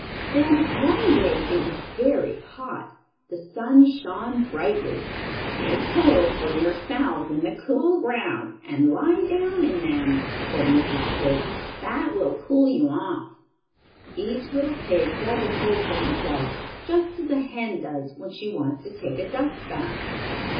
Then, one day, it was very hot. The sun shone brightly. "Dig holes for yourselves in the cool ground, and lie down in them," said Mrs. Pig. "That will cool you off." Each little pig dug a hole for himself, just as a hen does when she wants to take a dust bath.